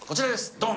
ドン！